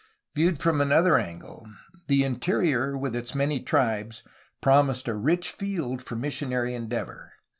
Viewed from another angle the interior, with its many tribes, promised a rich field for missionary endeavor.